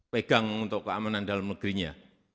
pegang untuk keamanan dalam negerinya